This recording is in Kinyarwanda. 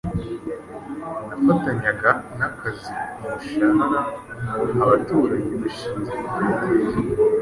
nafatanyaga n’akazi k’umushahara. Abaturanyi bashinze koperative